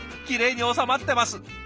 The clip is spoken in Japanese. きれいに収まってます。